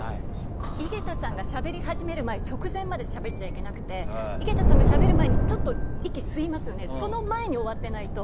井桁さんがしゃべり始める直前までしゃべっちゃいけなくて井桁さんがしゃべる前にちょっと息を吸いますよね。